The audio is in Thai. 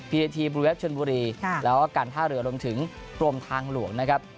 ีเอทีบลูเวฟชนบุรีแล้วก็การท่าเรือรวมถึงกรมทางหลวงนะครับ